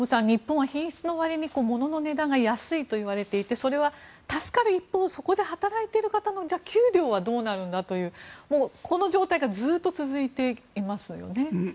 日本は品質のわりにものの値段が安いといわれていてそれは助かる一方でそこで働いている方の給料はどうなるんだというこの状態がずっと続いていますよね。